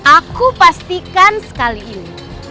aku pastikan sekali ini